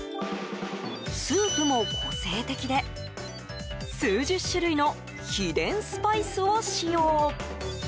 スープも個性的で数十種類の秘伝スパイスを使用。